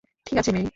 ঠিক আছে, মেই!